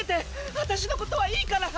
あたしのことはいいから！